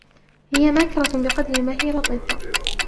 هي ماكرة بقدر ما هي لطيفة.